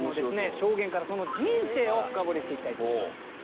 証言からその人生を深掘りしていきたいと思います。